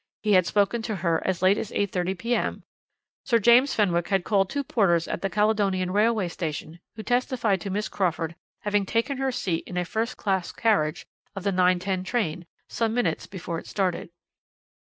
He had spoken to her as late as 8.30 p.m. Sir James Fenwick had called two porters at the Caledonian Railway Station who testified to Miss Crawford having taken her seat in a first class carriage of the 9.10 train, some minutes before it started.